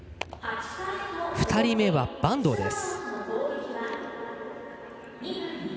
２人目は板東です。